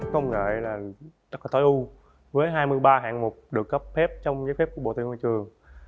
công nghệ là tất cả tối ưu với hai mươi ba hạng mục được cấp phép trong giấy phép của bộ tư ngoại trường